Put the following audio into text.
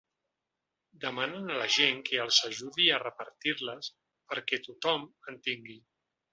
Demanen a la gent que els ajudi a repartir-les perquè tothom en tinguin.